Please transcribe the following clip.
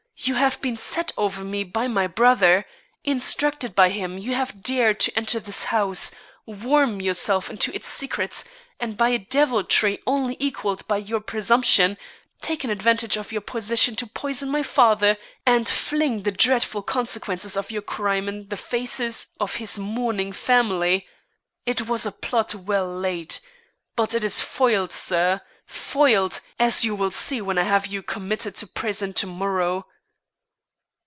You have been set over me by my brother. Instructed by him, you have dared to enter this house, worm yourself into its secrets, and by a deviltry only equalled by your presumption, taken advantage of your position to poison my father and fling the dreadful consequences of your crime in the faces of his mourning family. It was a plot well laid; but it is foiled, sir, foiled, as you will see when I have you committed to prison to morrow."